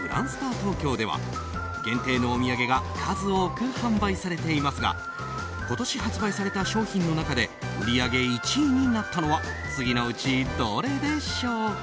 東京では限定のお土産が数多く販売されていますが今年発売された商品の中で売り上げ１位になったのは次のうちどれでしょうか？